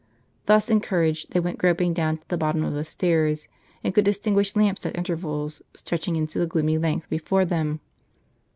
Thus encouraged, they went WVTl groping down to the bottom of the stairs. They could distin guish lamps at intervals, stretching into the gloomy length before them.